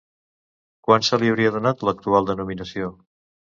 Quan se li hauria donat l'actual denominació?